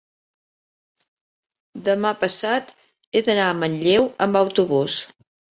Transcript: demà passat he d'anar a Manlleu amb autobús.